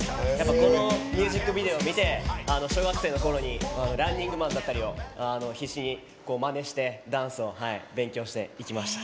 このミュージックビデオを見て小学生のころにランニングマンだったりを必死にまねしてダンスを勉強していきました。